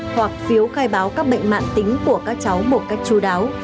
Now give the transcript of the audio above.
hoặc phiếu khai báo các bệnh mạng tính của các cháu một cách chú đáo